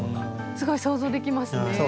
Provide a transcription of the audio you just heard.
すごい想像できますね。